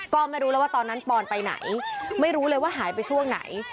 ก็ไม่รู้แล้วว่าตอนนั้นปอนไปไหนไม่รู้เลยว่าหายไปช่วงไหน